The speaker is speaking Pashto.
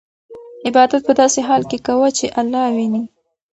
عبادت په داسې حال کې کوه چې الله وینې.